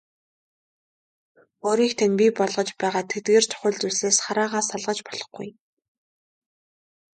Өөрийг тань бий болгож байгаа тэдгээр чухал зүйлсээс хараагаа салгаж болохгүй.